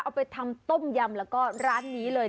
เอาไปทำต้มยำแล้วก็ร้านนี้เลย